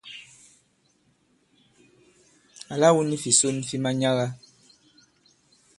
Àla wu ni fìson fi manyaga.